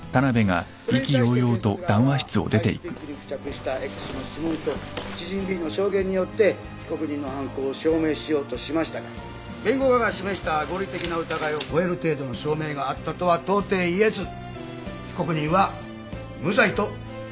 それに対して検察側はアイスピックに付着したＸの指紋と知人Ｂの証言によって被告人の犯行を証明しようとしましたが弁護側が示した合理的な疑いを超える程度の証明があったとはとうてい言えず被告人は無罪と判断しました。